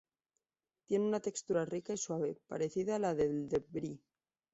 Tiene una textura rica y suave, parecida a la del Brie.